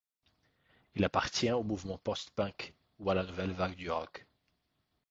Il appartient au mouvement post-punk ou à la nouvelle Vague du rock.